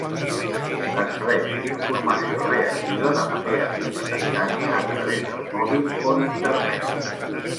Es rep informació reactiva de manera instantània a través del mòbil o d"Internet.